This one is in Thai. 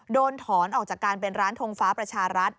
โดนถอนออกจากการเป็นร้านทงฟ้าประชารัฐ